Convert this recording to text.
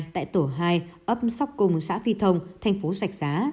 tại tổ hai ấp sóc cùng xã phi thông thành phố sạch giá